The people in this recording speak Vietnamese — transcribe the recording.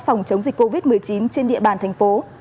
phòng chống dịch covid một mươi chín trên địa bàn thành phố